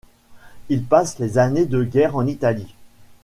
Il passe les années de guerre en Italie.